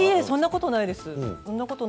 そんなことないです。